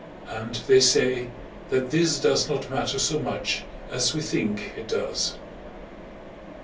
And they say that this does not matter so much as we think it does.